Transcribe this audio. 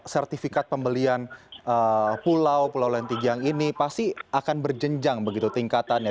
sertifikat pembelian pulau pulau lentigiang ini pasti akan berjenjang begitu tingkatannya